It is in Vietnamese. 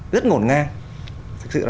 rất ngổn ngang thực sự là